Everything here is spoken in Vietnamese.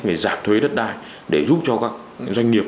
chính sách về giảm thuế đất đai để giúp cho các doanh nghiệp